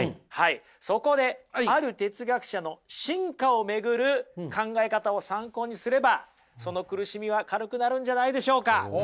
そこである哲学者の進化を巡る考え方を参考にすればその苦しみは軽くなるんじゃないんでしょうか。